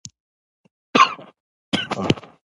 او د هر مؤمن مسلمان مسؤليت دي.